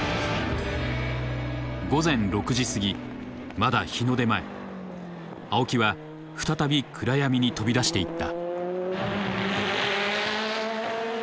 まだ日の出前青木は再び暗闇に飛び出していった。